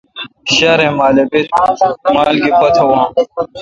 ݭارے مالبیت مال گی پت واں۔